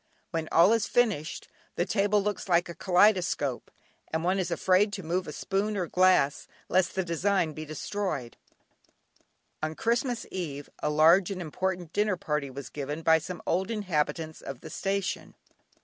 When all is finished, the table looks like a kaleidoscope, and one is afraid to move a spoon or glass lest the design be destroyed. On Christmas eve a large and important dinner party was given by some old inhabitants of the station.